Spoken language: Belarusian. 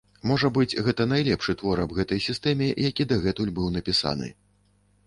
Можа быць, гэта найлепшы твор аб гэтай сістэме, які дагэтуль быў напісаны.